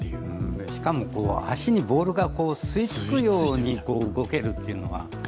しかも、足にボールが吸い付くように動けるというのが。